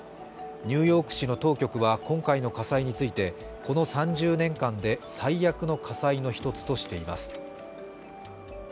ニューヨーク市の当局は今回の火災についてこの３０年間で最悪の火災の一つとしています。